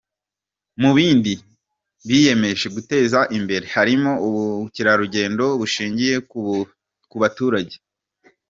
Mu bindi biyemeje guteza imbere harimo ubukerarugendo bushingiye ku baturage.